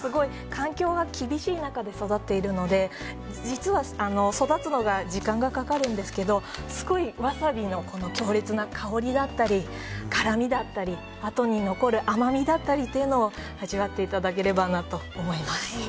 環境が厳しい中で育っているので実は育つのに時間がかかるんですけどわさびの強烈な香りだったり辛みだったりあとに残る甘みだったりを味わっていただければと思います。